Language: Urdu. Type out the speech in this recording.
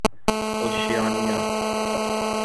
اوشیانیا